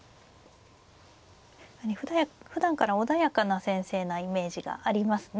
ふだんから穏やかな先生なイメージがありますね。